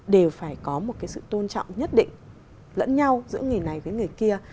đều phải có một cái sự tôn trọng nhất định lẫn nhau giữa người này với người kia